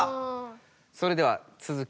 それではつづき